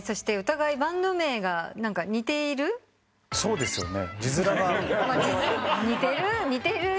そうですね。